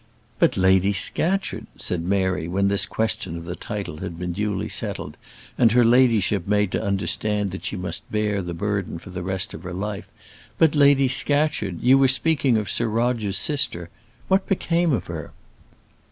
"But, Lady Scatcherd," said Mary, when this question of the title had been duly settled, and her ladyship made to understand that she must bear the burden for the rest of her life, "but, Lady Scatcherd, you were speaking of Sir Roger's sister; what became of her?"